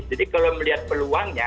jadi kalau melihat peluangnya